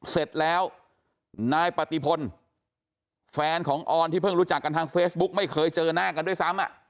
เสร็จแล้วนายปฏิพลแฟนของออนที่เพิ่งรู้จักกันทางเฟซบุ๊กไม่เคยเจอหน้ากันด้วยซ้ำ